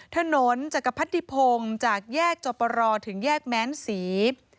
ถนนจักรพรรดิพงศ์จากแยกจบรอถึงแยกแม้นศรี